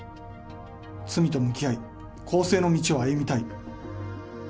罪と向き合い、更生の道を歩みたい。